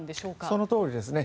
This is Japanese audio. そのとおりですね。